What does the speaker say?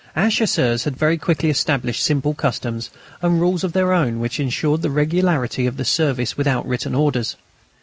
Our Chasseurs had very quickly established simple customs and rules of their own which ensured the regularity of the service without written orders.